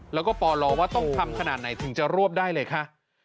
แล้วก็ปลว่าต้องทำขนาดไหนถึงจะรวบได้เลยค่ะ